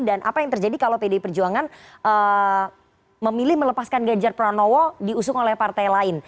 dan apa yang terjadi kalau pdi perjuangan memilih melepaskan gadjar pranowo diusung oleh partai lain